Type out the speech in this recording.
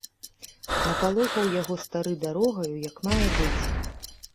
Напалохаў яго стары дарогаю як мае быць.